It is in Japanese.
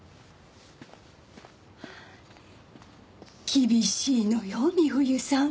厳しいのよ美冬さん。